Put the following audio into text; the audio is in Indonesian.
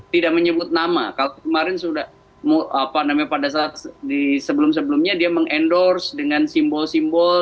tidak menyebut nama kalau kemarin sudah apa namanya pada saat sebelum sebelumnya dia meng endorse dengan simbol simbol